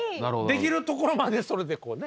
できるところまでそれでこうね。